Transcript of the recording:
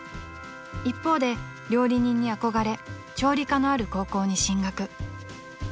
［一方で料理人に憧れ調理科のある高校に進学］